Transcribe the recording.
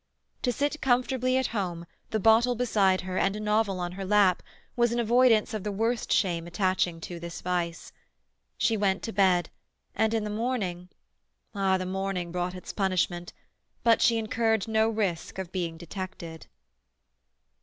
To sit comfortably at home, the bottle beside her, and a novel on her lap, was an avoidance of the worst shame attaching to this vice; she went to bed, and in the morning—ah, the morning brought its punishment, but she incurred no risk of being detected.